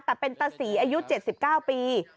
แต่เป็นตะศรีอายุ๗๙ปี